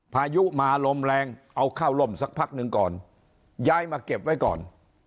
พายุมาลมแรงเอาเข้าล่มสักพักหนึ่งก่อนย้ายมาเก็บไว้ก่อน